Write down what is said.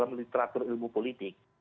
dalam literatur ilmu politik